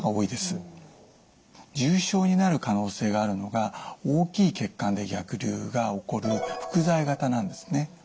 重症になる可能性があるのが大きい血管で逆流が起こる伏在型なんですね。